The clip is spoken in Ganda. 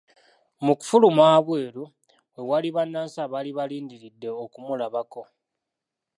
Mu kufuluma wabweru we waali bannansi abaali balindiridde okumulabako.